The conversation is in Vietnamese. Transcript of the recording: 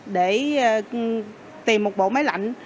để tìm một bộ máy lạnh